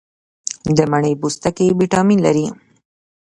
د مڼې پوستکي ویټامین لري.